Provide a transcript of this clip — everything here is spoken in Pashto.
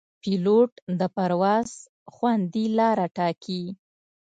پیلوټ د پرواز خوندي لاره ټاکي.